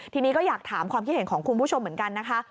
ทีนี้ก็อยากถามความคิดเห็นของคุณผู้ชมเหมือนกันนะคะ